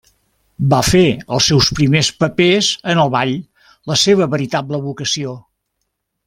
Va fer els seus primers papers en el ball, la seva veritable vocació.